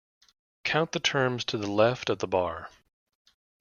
Count the terms to the left of the bar.